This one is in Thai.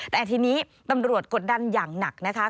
แต่ทีนี้ตำรวจกดดันอย่างหนักนะคะ